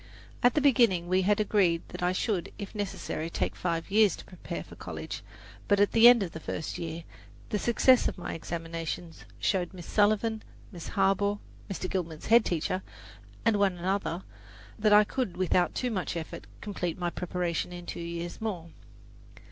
At the beginning we had agreed that I should, if necessary, take five years to prepare for college, but at the end of the first year the success of my examinations showed Miss Sullivan, Miss Harbaugh (Mr. Gilman's head teacher), and one other, that I could without too much effort complete my preparation in two years more.